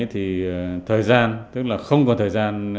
thời gian tức là không còn thời gian